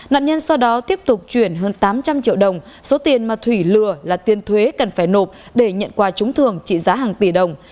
nạn nhân sau đó tiếp tục chuyển hơn tám trăm linh triệu đồng số tiền mà thủy lừa là tiền thuế cần phải nộp để nhận quà trúng thường trị giá hàng tỷ đồng